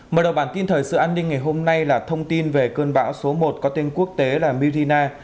mở đầu bản tin thời sự an ninh ngày hôm nay là thông tin về cơn bão số một có tên quốc tế là mirina